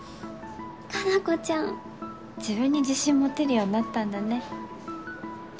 加奈子ちゃん自分に自信持てるようになったんだね